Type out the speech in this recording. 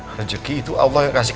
rezeki itu allah kasih